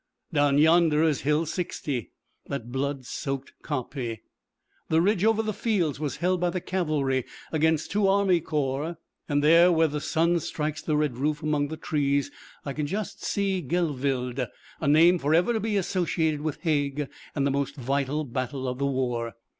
Down yonder is Hill 60, that blood soaked kopje. The ridge over the fields was held by the cavalry against two army corps, and there where the sun strikes the red roof among the trees I can just see Gheluveld, a name for ever to be associated with Haig and the most vital battle of the war.